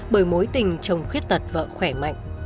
bởi mối tình chồng khuyết tật vợ khỏe mạnh